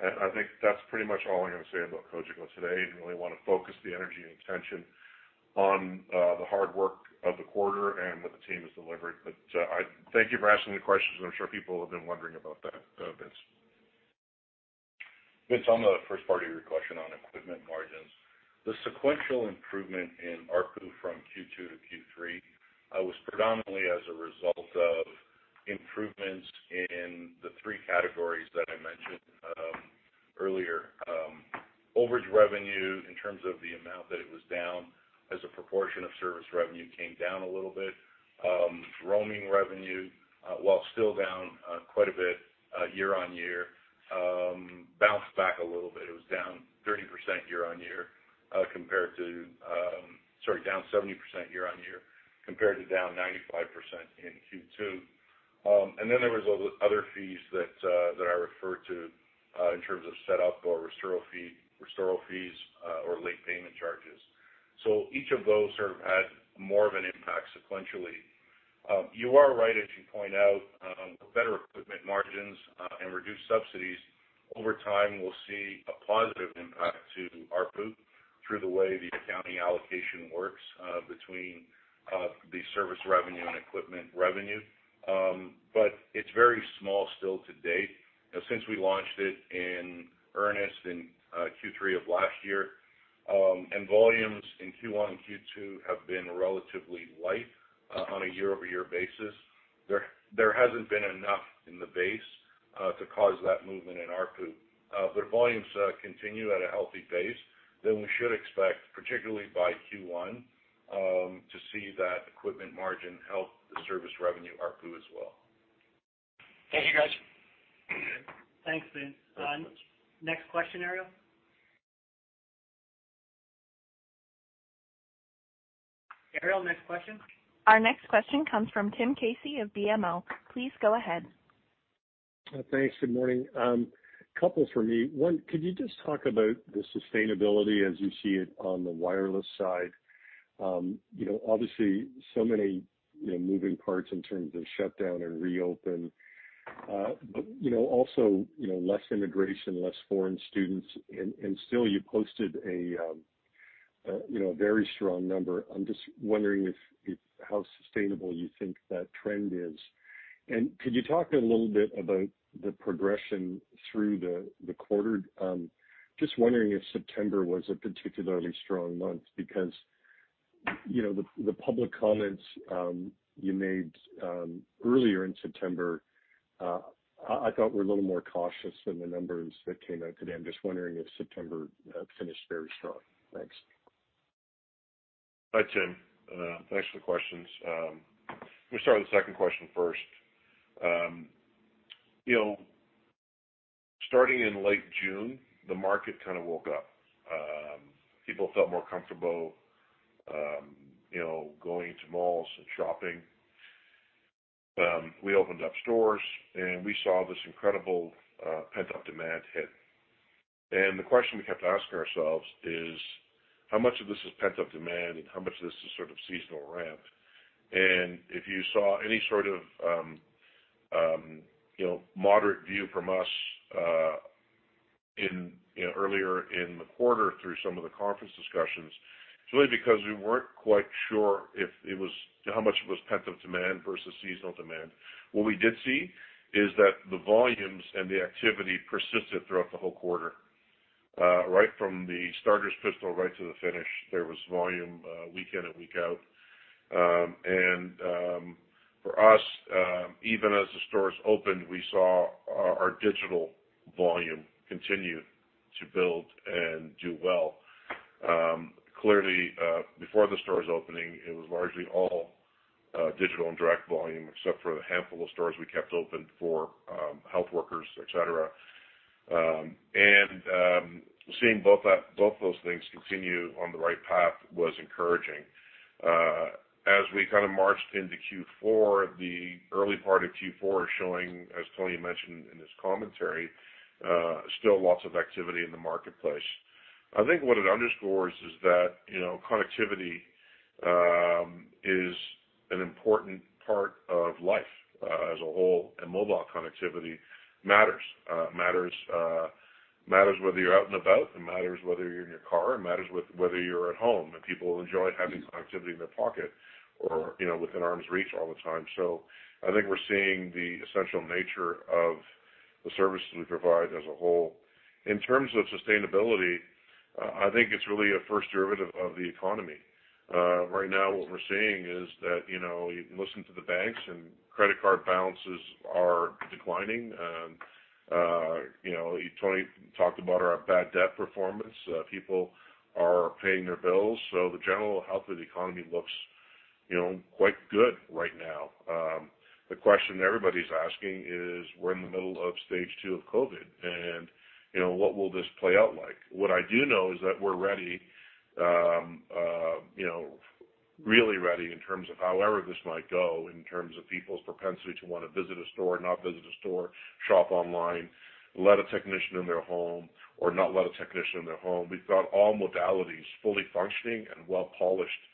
And I think that's pretty much all I'm going to say about Cogeco today. I really want to focus the energy and attention on the hard work of the quarter and what the team has delivered. But thank you for asking the questions. I'm sure people have been wondering about that, Vince. Vince, on the first part of your question on equipment margins, the sequential improvement in ARPU from Q2 to Q3 was predominantly as a result of improvements in the three categories that I mentioned earlier. Overage revenue, in terms of the amount that it was down, as a proportion of service revenue, came down a little bit. Roaming revenue, while still down quite a bit year-on-year, bounced back a little bit. It was down 30% year-on-year compared to, sorry, down 70% year-on-year compared to down 95% in Q2, and then there were other fees that I referred to in terms of setup or restoral fees or late payment charges, so each of those sort of had more of an impact sequentially. You are right, as you point out, with better equipment margins and reduced subsidies, over time we'll see a positive impact to ARPU through the way the accounting allocation works between the service revenue and equipment revenue, but it's very small still today. Since we launched it in earnest in Q3 of last year, and volumes in Q1 and Q2 have been relatively light on a year-over-year basis, there hasn't been enough in the base to cause that movement in ARPU. But if volumes continue at a healthy pace, then we should expect, particularly by Q1, to see that equipment margin help the service revenue ARPU as well. Thank you, guys. Thanks, Vince. Next question, Ariel? Ariel, next question. Our next question comes from Tim Casey of BMO. Please go ahead. Thanks. Good morning. A couple for me. One, could you just talk about the sustainability as you see it on the wireless side? Obviously, so many moving parts in terms of shutdown and reopen, but also less integration, less foreign students. And still, you posted a very strong number. I'm just wondering how sustainable you think that trend is. Could you talk a little bit about the progression through the quarter? Just wondering if September was a particularly strong month because the public comments you made earlier in September, I thought were a little more cautious than the numbers that came out today. I'm just wondering if September finished very strong. Thanks. Hi, Tim. Thanks for the questions. Let me start with the second question first. Starting in late June, the market kind of woke up. People felt more comfortable going to malls and shopping. We opened up stores, and we saw this incredible pent-up demand hit. The question we kept asking ourselves is, how much of this is pent-up demand and how much of this is sort of seasonal ramp? and if you saw any sort of moderate view from us earlier in the quarter through some of the conference discussions, it's really because we weren't quite sure how much it was pent-up demand versus seasonal demand. What we did see is that the volumes and the activity persisted throughout the whole quarter. Right from the starter's pistol right to the finish, there was volume week in and week out. And for us, even as the stores opened, we saw our digital volume continue to build and do well. Clearly, before the stores opening, it was largely all digital and direct volume except for the handful of stores we kept open for health workers, etc. And seeing both those things continue on the right path was encouraging. As we kind of marched into Q4, the early part of Q4 is showing, as Tony mentioned in his commentary, still lots of activity in the marketplace. I think what it underscores is that connectivity is an important part of life as a whole, and mobile connectivity matters. It matters whether you're out and about, it matters whether you're in your car, it matters whether you're at home, and people enjoy having connectivity in their pocket or within arm's reach all the time, so I think we're seeing the essential nature of the services we provide as a whole. In terms of sustainability, I think it's really a first derivative of the economy. Right now, what we're seeing is that you listen to the banks, and credit card balances are declining. Tony talked about our bad debt performance. People are paying their bills, so the general health of the economy looks quite good right now. The question everybody's asking is, we're in the middle of stage two of COVID, and what will this play out like? What I do know is that we're ready, really ready in terms of however this might go, in terms of people's propensity to want to visit a store, not visit a store, shop online, let a technician in their home, or not let a technician in their home. We've got all modalities fully functioning and well-polished,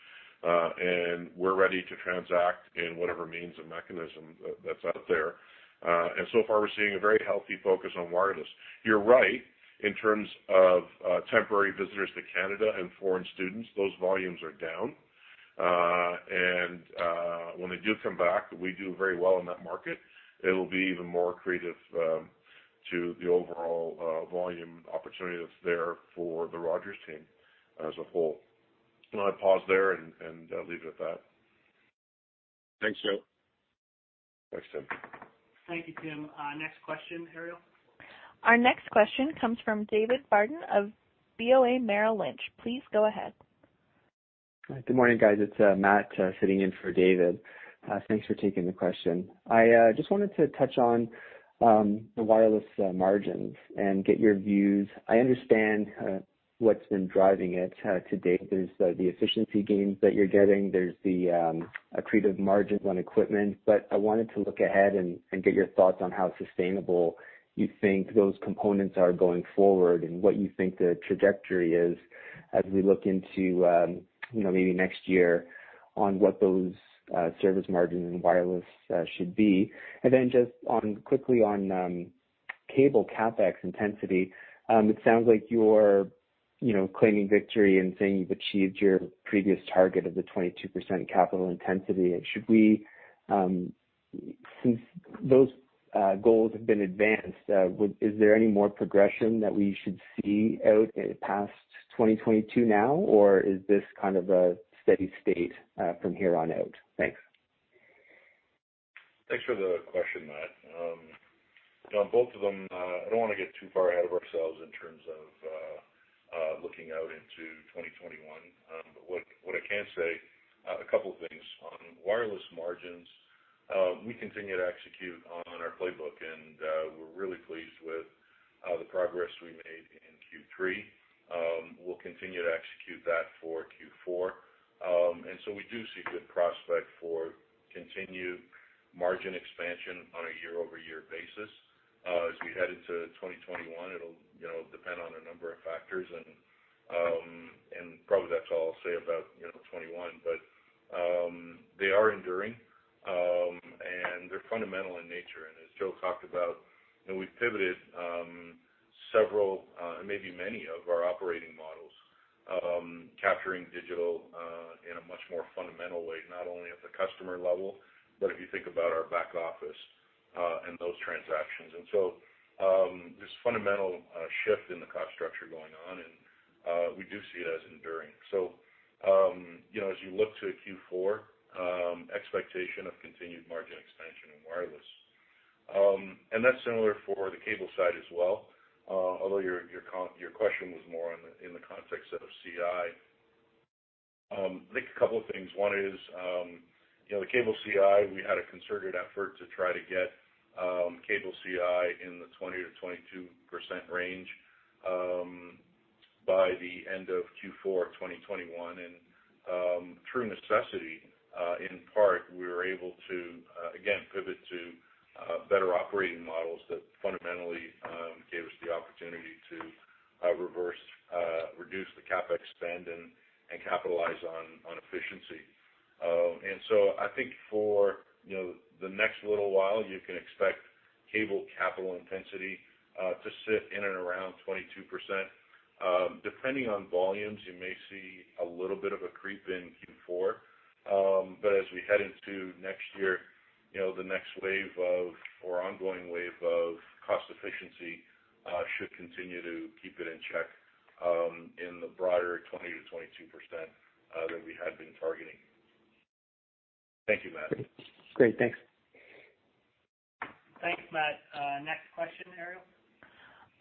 and we're ready to transact in whatever means and mechanism that's out there. And so far, we're seeing a very healthy focus on wireless. You're right in terms of temporary visitors to Canada and foreign students. Those volumes are down. And when they do come back, we do very well in that market. It will be even more creative to the overall volume opportunity that's there for the Rogers team as a whole. I'll pause there and leave it at that. Thanks, Joe. Thanks, Tim. Thank you, Tim. Next question, Ariel? Our next question comes from David Barden of BOA Merrill Lynch. Please go ahead. Good morning, guys. It's Matt sitting in for David. Thanks for taking the question. I just wanted to touch on the wireless margins and get your views. I understand what's been driving it to date. There's the efficiency gains that you're getting. There's the accretive margins on equipment. But I wanted to look ahead and get your thoughts on how sustainable you think those components are going forward and what you think the trajectory is as we look into maybe next year on what those service margins and wireless should be. And then just quickly on cable CapEx intensity, it sounds like you're claiming victory and saying you've achieved your previous target of the 22% capital intensity. Should we, since those goals have been advanced, is there any more progression that we should see out past 2022 now, or is this kind of a steady state from here on out? Thanks. Thanks for the question, Matt. On both of them, I don't want to get too far ahead of ourselves in terms of looking out into 2021. But what I can say, a couple of things. On wireless margins, we continue to execute on our playbook, and we're really pleased with the progress we made in Q3. We'll continue to execute that for Q4. And so we do see good prospect for continued margin expansion on a year-over-year basis. As we head into 2021, it'll depend on a number of factors, and probably that's all I'll say about 2021. But they are enduring, and they're fundamental in nature. And as Joe talked about, we've pivoted several, maybe many of our operating models, capturing digital in a much more fundamental way, not only at the customer level, but if you think about our back office and those transactions. And so there's a fundamental shift in the cost structure going on, and we do see it as enduring. So as you look to Q4, expectation of continued margin expansion in wireless. And that's similar for the cable side as well, although your question was more in the context of CI. I think a couple of things. One is the cable CI. We had a concerted effort to try to get cable CI in the 20%-22% range by the end of Q4 2021. And through necessity, in part, we were able to, again, pivot to better operating models that fundamentally gave us the opportunity to reverse, reduce the CapEx spend, and capitalize on efficiency. And so I think for the next little while, you can expect cable capital intensity to sit in and around 22%. Depending on volumes, you may see a little bit of a creep in Q4. But as we head into next year, the next wave of, or ongoing wave of cost efficiency should continue to keep it in check in the broader 20%-22% that we had been targeting. Thank you, Matt. Great. Thanks. Thanks, Matt. Next question, Ariel?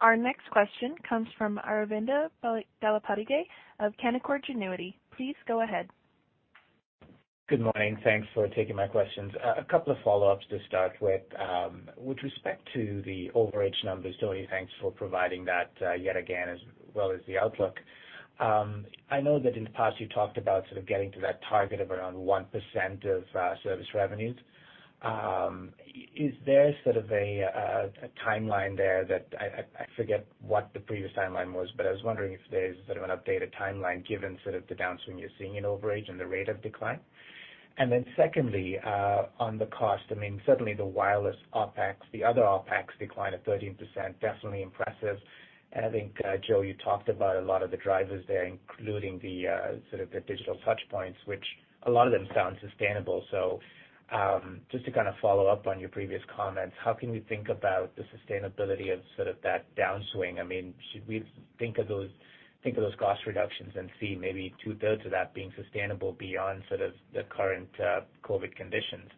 Our next question comes from Aravinda Galappatthige of Canaccord Genuity. Please go ahead. Good morning. Thanks for taking my questions. A couple of follow-ups to start with. With respect to the overage numbers, Tony, thanks for providing that yet again as well as the outlook. I know that in the past you talked about sort of getting to that target of around 1% of service revenues. Is there sort of a timeline there that I forget what the previous timeline was, but I was wondering if there's sort of an updated timeline given sort of the downswing you're seeing in overage and the rate of decline. And then secondly, on the cost, I mean, suddenly the wireless OpEx, the other OpEx decline of 13%, definitely impressive. And I think, Joe, you talked about a lot of the drivers there, including the sort of digital touchpoints, which a lot of them sound sustainable. So just to kind of follow up on your previous comments, how can we think about the sustainability of sort of that downswing? I mean, should we think of those cost reductions and see maybe 2/3 of that being sustainable beyond sort of the current COVID conditions?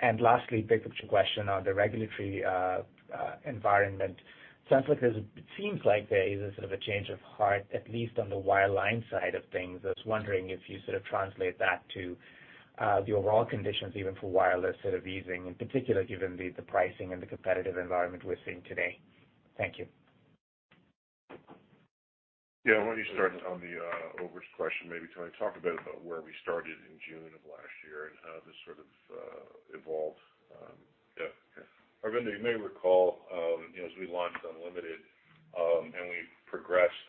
And lastly, big picture question on the regulatory environment. It sounds like there's a, it seems like there is a sort of a change of heart, at least on the wireline side of things. I was wondering if you sort of translate that to the overall conditions even for wireless sort of using, in particular, given the pricing and the competitive environment we're seeing today. Thank you. Yeah. I want you to start on the overage question, maybe, Tony. Talk a bit about where we started in June of last year and how this sort of evolved. Yeah. Aravinda, you may recall as we launched Unlimited and we progressed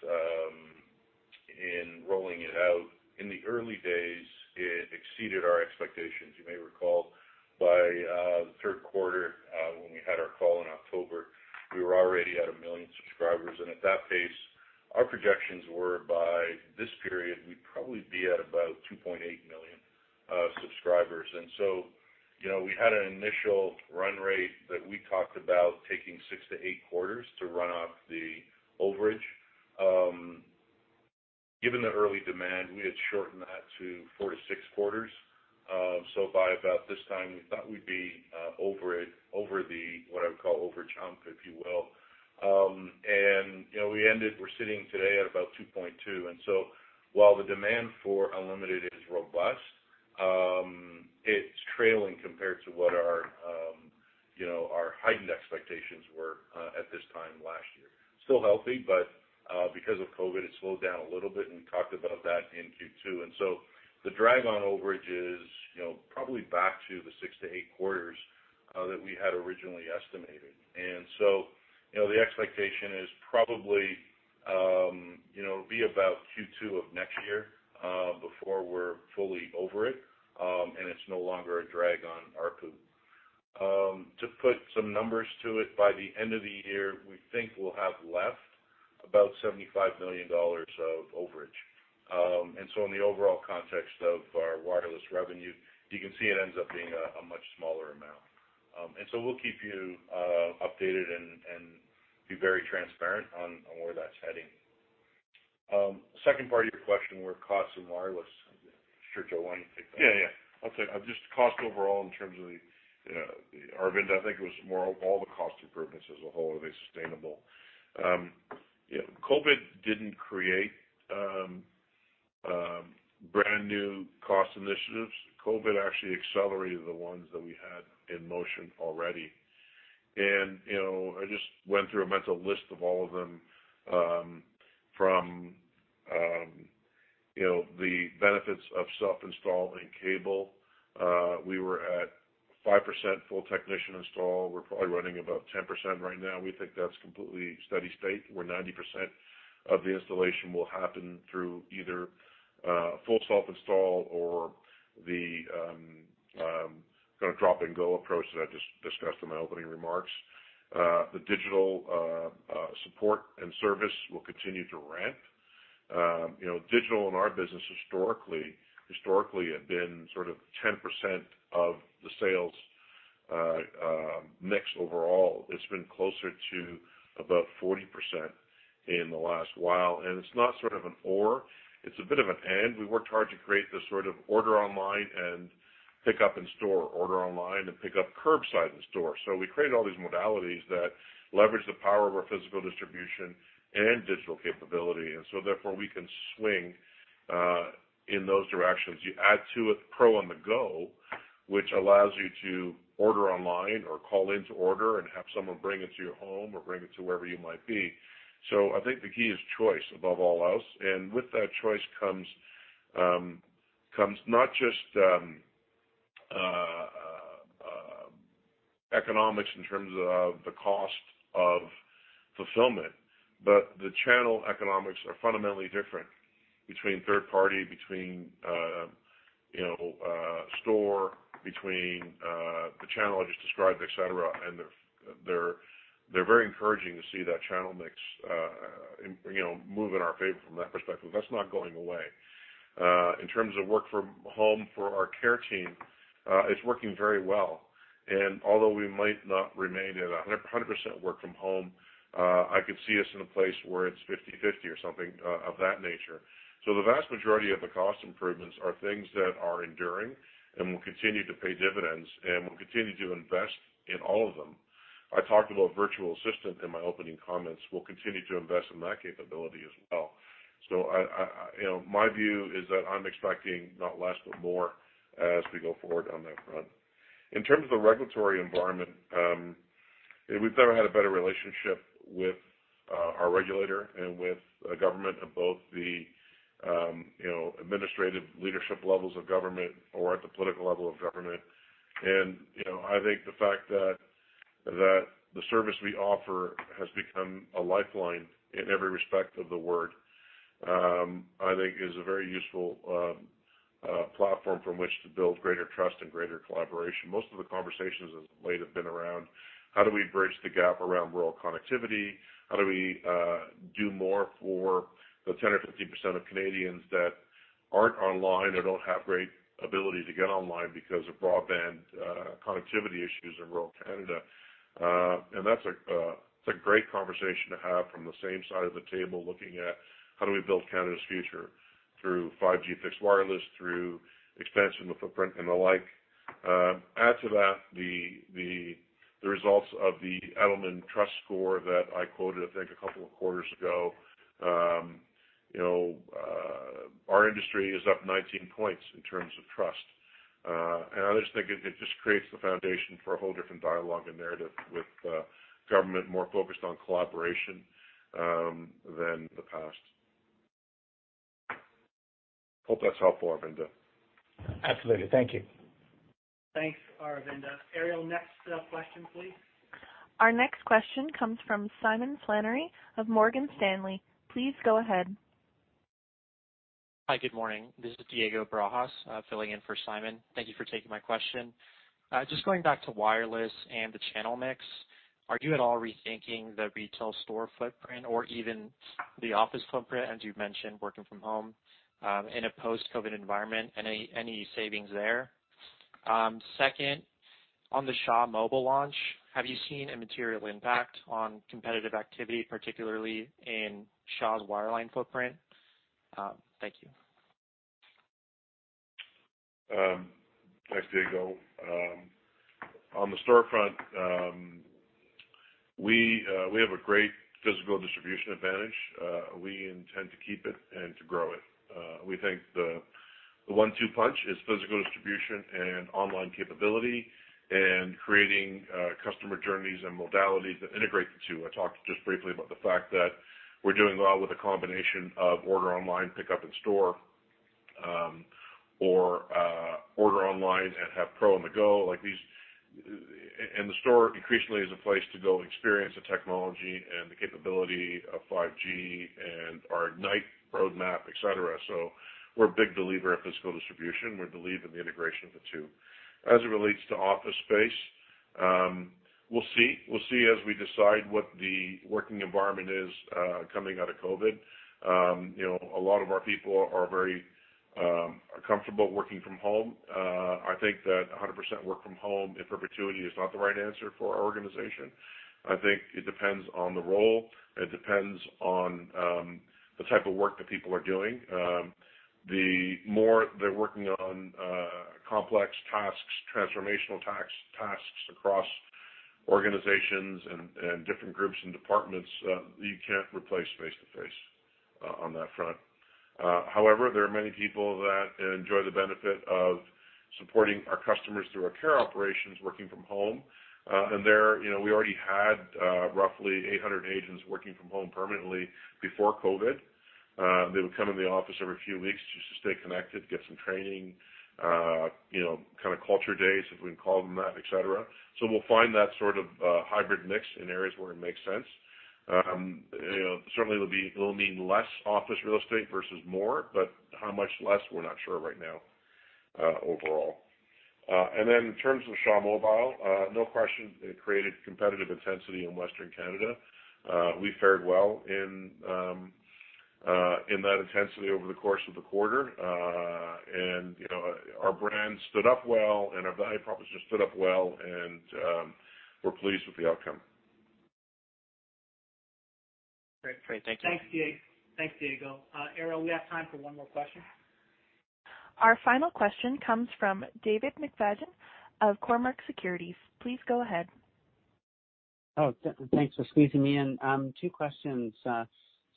in rolling it out, in the early days, it exceeded our expectations. You may recall by the third quarter, when we had our call in October, we were already at a million subscribers. And at that pace, our projections were by this period, we'd probably be at about 2.8 million subscribers. And so we had an initial run rate that we talked about taking six to eight quarters to run off the overage. Given the early demand, we had shortened that to four to six quarters. So by about this time, we thought we'd be over the hump, what I would call, if you will. And we ended, we're sitting today at about 2.2. And so while the demand for Unlimited is robust, it's trailing compared to what our heightened expectations were at this time last year. Still healthy, but because of COVID, it slowed down a little bit, and we talked about that in Q2. And so the drag on overage is probably back to the six-to-eight quarters that we had originally estimated. And so the expectation is probably it'll be about Q2 of next year before we're fully over it, and it's no longer a drag on our ARPU. To put some numbers to it, by the end of the year, we think we'll have left about CAD 75 million of overage. And so in the overall context of our wireless revenue, you can see it ends up being a much smaller amount. And so we'll keep you updated and be very transparent on where that's heading. Second part of your question, where costs and wireless. Mr. Joe, want to take that. Yeah, yeah. I'll take that. Just cost overall in terms of the Aravinda, I think it was more of all the cost improvements as a whole, are they sustainable? COVID didn't create brand new cost initiatives. COVID actually accelerated the ones that we had in motion already. And I just went through a mental list of all of them from the benefits of self-install and cable. We were at 5% full technician install. We're probably running about 10% right now. We think that's completely steady state, where 90% of the installation will happen through either full self-install or the kind of drop and go approach that I just discussed in my opening remarks. The digital support and service will continue to ramp. Digital in our business historically had been sort of 10% of the sales mix overall. It's been closer to about 40% in the last while, and it's not sort of an or. It's a bit of an and. We worked hard to create this sort of order online and pick up in store, order online and pick up curbside in store. So we created all these modalities that leverage the power of our physical distribution and digital capability. And so therefore, we can swing in those directions. You add to it Pro On-the-Go, which allows you to order online or call in to order and have someone bring it to your home or bring it to wherever you might be. So I think the key is choice above all else. And with that choice comes not just economics in terms of the cost of fulfillment, but the channel economics are fundamentally different between third party, between store, between the channel I just described, etc. And they're very encouraging to see that channel mix move in our favor from that perspective. That's not going away. In terms of work from home for our care team, it's working very well. And although we might not remain at 100% work from home, I could see us in a place where it's 50/50 or something of that nature. So the vast majority of the cost improvements are things that are enduring and will continue to pay dividends, and we'll continue to invest in all of them. I talked about Virtual Assistant in my opening comments. We'll continue to invest in that capability as well. My view is that I'm expecting not less but more as we go forward on that front. In terms of the regulatory environment, we've never had a better relationship with our regulator and with government at both the administrative leadership levels of government or at the political level of government. I think the fact that the service we offer has become a lifeline in every respect of the word, I think, is a very useful platform from which to build greater trust and greater collaboration. Most of the conversations as of late have been around, how do we bridge the gap around rural connectivity? How do we do more for the 10% or 15% of Canadians that aren't online or don't have great ability to get online because of broadband connectivity issues in rural Canada? That's a great conversation to have from the same side of the table looking at how do we build Canada's future through 5G fixed wireless, through expansion of footprint and the like. Add to that the results of the Edelman Trust Score that I quoted, I think, a couple of quarters ago. Our industry is up 19 points in terms of trust. I just think it just creates the foundation for a whole different dialogue and narrative with government more focused on collaboration than the past. Hope that's helpful, Aravinda. Absolutely. Thank you. Thanks, Aravinda. Ariel, next question, please. Our next question comes from Simon Flannery of Morgan Stanley. Please go ahead. Hi, good morning. This is Diego Barajas filling in for Simon. Thank you for taking my question. Just going back to wireless and the channel mix, are you at all rethinking the retail store footprint or even the office footprint, as you've mentioned, working from home in a post-COVID environment? Any savings there? Second, on the Shaw Mobile launch, have you seen a material impact on competitive activity, particularly in Shaw's wireline footprint? Thank you. Thanks, Diego. On the storefront, we have a great physical distribution advantage. We intend to keep it and to grow it. We think the one-two punch is physical distribution and online capability and creating customer journeys and modalities that integrate the two. I talked just briefly about the fact that we're doing well with a combination of order online, pick up in store, or order online and have Pro On-the-Go. The store increasingly is a place to go and experience the technology and the capability of 5G and our Ignite roadmap, etc. We're a big believer in physical distribution. We believe in the integration of the two. As it relates to office space, we'll see. We'll see as we decide what the working environment is coming out of COVID. A lot of our people are very comfortable working from home. I think that 100% work from home in perpetuity is not the right answer for our organization. I think it depends on the role. It depends on the type of work that people are doing. The more they're working on complex tasks, transformational tasks across organizations and different groups and departments, you can't replace face-to-face on that front. However, there are many people that enjoy the benefit of supporting our customers through our care operations working from home. And we already had roughly 800 agents working from home permanently before COVID. They would come in the office every few weeks just to stay connected, get some training, kind of culture days, if we can call them that, etc. So we'll find that sort of hybrid mix in areas where it makes sense. Certainly, it'll mean less office real estate versus more, but how much less, we're not sure right now overall. And then in terms of Shaw Mobile, no question, it created competitive intensity in Western Canada. We fared well in that intensity over the course of the quarter. And our brand stood up well, and our value proposition stood up well, and we're pleased with the outcome. Great. Great. Thank you. Thanks, Diego. Ariel, we have time for one more question. Our final question comes from David McFadgen of Cormark Securities. Please go ahead. Oh, thanks for squeezing me in. Two questions.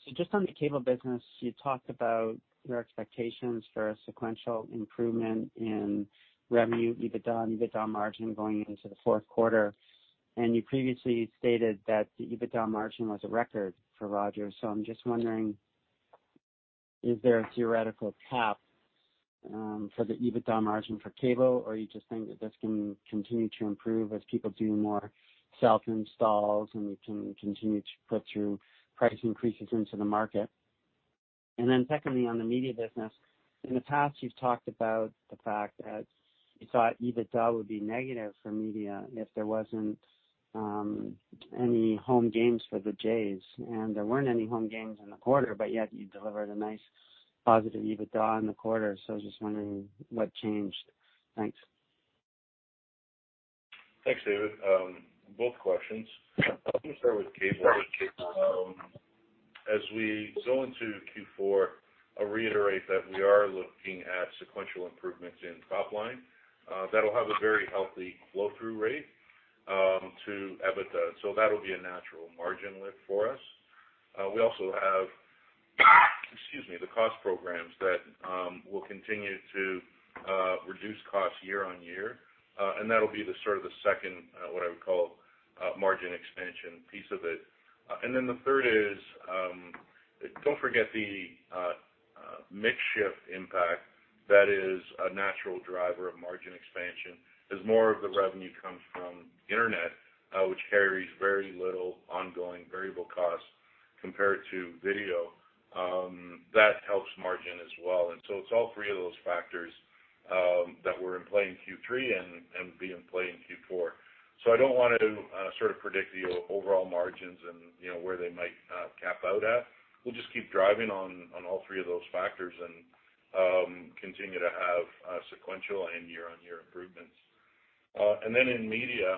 So just on the cable business, you talked about your expectations for a sequential improvement in revenue, EBITDA, and EBITDA margin going into the fourth quarter. And you previously stated that the EBITDA margin was a record for Rogers. So I'm just wondering, is there a theoretical cap for the EBITDA margin for cable, or you just think that this can continue to improve as people do more self-installs and we can continue to put through price increases into the market? And then secondly, on the media business, in the past, you've talked about the fact that you thought EBITDA would be negative for media if there wasn't any home games for the Jays. And there weren't any home games in the quarter, but yet you delivered a nice positive EBITDA in the quarter. So I was just wondering what changed. Thanks. Thanks, David. Both questions. I'll start with cable. As we go into Q4, I'll reiterate that we are looking at sequential improvements in top line. That'll have a very healthy flow-through rate to EBITDA. So that'll be a natural margin lift for us. We also have, excuse me, the cost programs that will continue to reduce costs year-on-year. And that'll be the sort of the second, what I would call, margin expansion piece of it. And then the third is, don't forget the mix shift impact that is a natural driver of margin expansion. As more of the revenue comes from internet, which carries very little ongoing variable costs compared to video, that helps margin as well. And so it's all three of those factors that we're in play in Q3 and be in play in Q4. So I don't want to sort of predict the overall margins and where they might cap out at. We'll just keep driving on all three of those factors and continue to have sequential and year-on-year improvements. And then in media,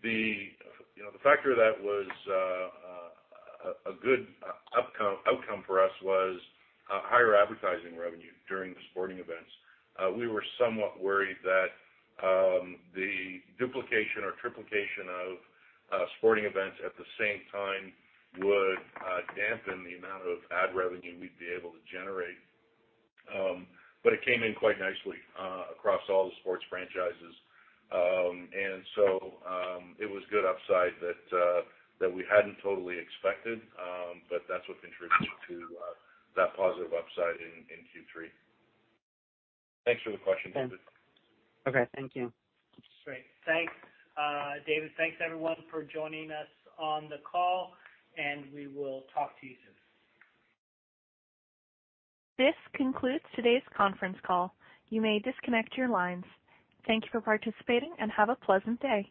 the factor that was a good outcome for us was higher advertising revenue during the sporting events. We were somewhat worried that the duplication or triplication of sporting events at the same time would dampen the amount of ad revenue we'd be able to generate. But it came in quite nicely across all the sports franchises. And so it was good upside that we hadn't totally expected, but that's what contributed to that positive upside in Q3. Thanks for the question, David. Okay. Thank you. Great. Thanks, David. Thanks, everyone, for joining us on the call, and we will talk to you soon. This concludes today's conference call. You may disconnect your lines. Thank you for participating and have a pleasant day.